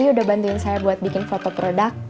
anda sudah bantuin saya buat bikin foto produk